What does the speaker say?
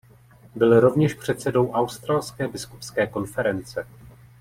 Byl rovněž předsedou Australské biskupské konference.